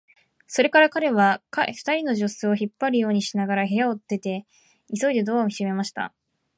それから彼は、二人の助手を引っ張るようにしながら部屋から出て、急いでドアを閉めた。